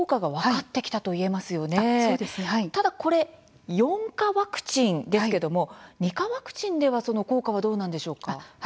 ただ、これ４価ワクチンですけども２価ワクチンでは効果はどうなんでしょうか。